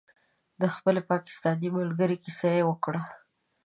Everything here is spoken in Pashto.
د خپلې پاکستانۍ ملګرې کیسه یې وکړه.